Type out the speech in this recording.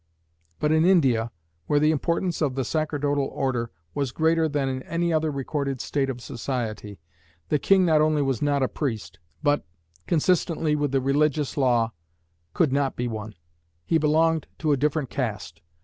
But in India, where the importance of the sacerdotal order was greater than in any other recorded state of society, the king not only was not a priest, but, consistently with the religious law, could not be one: he belonged to a different caste.